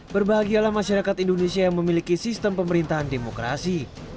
berbahagialah masyarakat indonesia yang memiliki sistem pemerintahan demokrasi